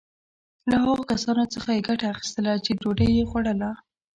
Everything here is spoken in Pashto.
له هغو کسانو څخه یې ګټه اخیستله چې ډوډی یې خوړله.